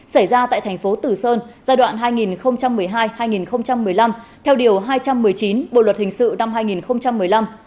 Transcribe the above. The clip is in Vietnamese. xảy ra tại thành phố tử sơn giai đoạn hai nghìn một mươi hai hai nghìn một mươi năm theo điều hai trăm một mươi chín bộ luật hình sự năm hai nghìn một mươi năm